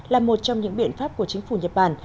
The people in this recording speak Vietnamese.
là một trong những biện pháp của chính phủ nhật bản